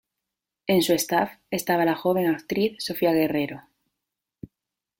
En su staff estaba la joven actriz Sofía Guerrero.